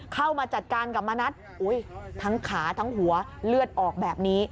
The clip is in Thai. เข้ามาจัดการกับมณัฐทั้งขาทั้งหัวเลือดออกแบบนี้